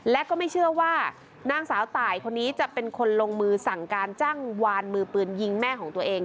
และก็ไม่เชื่อว่านางสาวตายคนนี้จะเป็นคนลงมือสั่งการจ้างวานมือปืนยิงแม่ของตัวเอง